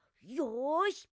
よし！